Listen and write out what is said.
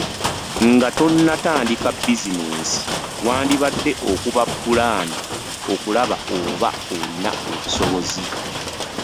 Nga tonnatandika bizinensi, wandibadde okuba pulaani okulaba oba olina obusobozi.